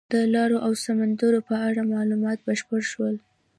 د لارو او سمندرونو په اړه معلومات بشپړ شول.